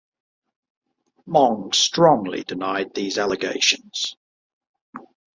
Mong strongly denied these allegations.